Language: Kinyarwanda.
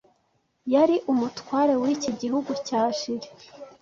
yari umutware wiki gihugu cya Chili